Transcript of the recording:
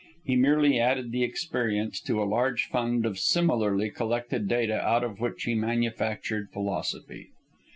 He merely added the experience to a large fund of similarly collected data out of which he manufactured philosophy.